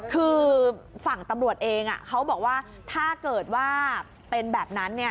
คือฝั่งตำรวจเองเขาบอกว่าถ้าเกิดว่าเป็นแบบนั้น